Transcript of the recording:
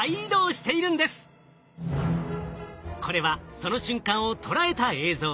これはその瞬間を捉えた映像。